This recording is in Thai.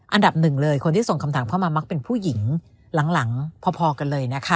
อันดับหนึ่งเลยคนที่ส่งคำถามเข้ามามักเป็นผู้หญิงหลังพอกันเลยนะคะ